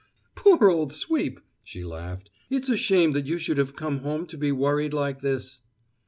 "Poor old Sweep!" she laughed. "It's a shame that you should have come home to be worried like this."